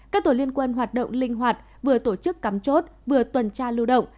các tổ liên quân hoạt động linh hoạt vừa tổ chức cắm chốt vừa tuần tra lưu động